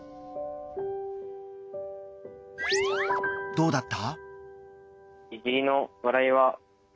どうだった？